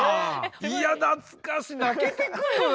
いや懐かしい泣けてくる！